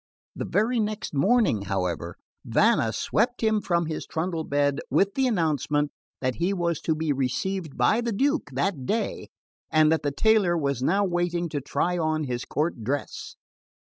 The very next morning, however, Vanna swept him from his trundle bed with the announcement that he was to be received by the Duke that day, and that the tailor was now waiting to try on his court dress.